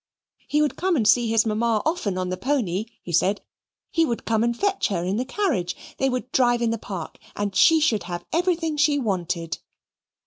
"He would come and see his mamma often on the pony," he said. "He would come and fetch her in the carriage; they would drive in the park, and she should have everything she wanted."